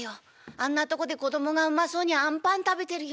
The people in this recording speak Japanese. あんなとこで子供がうまそうにあんパン食べてるよ。